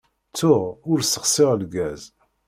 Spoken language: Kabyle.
Ttuɣ ur ssexsiɣ lgaz.